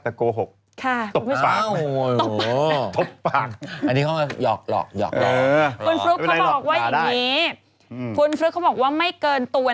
แต่โกหกคุณฟลุ๊กคุณฟลุ๊กก็ก็เขาก็มีอะไรเนี่ยแต่โกหกคุณฟลุ๊กคุณฟลุ๊กได้นิดนึงมีเวลาเยอะเลย